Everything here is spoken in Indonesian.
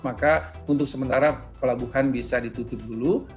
maka untuk sementara pelabuhan bisa berjalan